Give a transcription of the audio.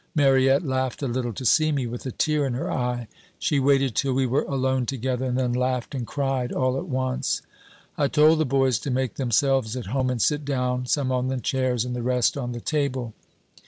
Mariette laughed a little to see me, with a tear in her eye. She waited till we were alone together and then laughed and cried all at once. I told the boys to make themselves at home and sit down, some on the chairs and the rest on the table.